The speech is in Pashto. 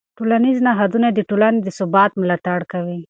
ټولنیز نهادونه د ټولنې د ثبات ملاتړ کوي.